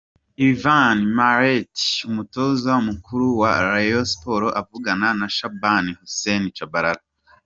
Ivan Minaert Umutoza mukuru wa Rayon Sports avugana na Shaban Hussein Tchabalala.